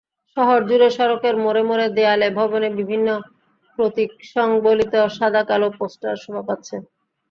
শহরজুড়ে সড়কের মোড়ে মোড়ে, দেয়ালে, ভবনে বিভিন্ন প্রতীকসংবলিত সাদাকালো পোস্টার শোভা পাচ্ছে।